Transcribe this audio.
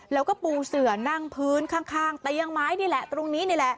แล้วก็ปูเสือนั่งพื้นข้างเตียงไม้นี่แหละตรงนี้นี่แหละ